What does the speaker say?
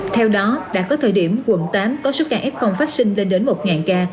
theo đó đã có thời điểm quận tám có số ca f phát sinh lên đến một ca